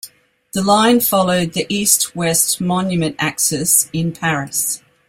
The line followed the east-west monument axis in Paris.